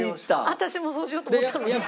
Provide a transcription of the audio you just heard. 私もそうしようと思った。